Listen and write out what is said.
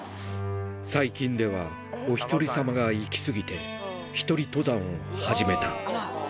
最近ではおひとり様が行き過ぎて、１人登山を始めた。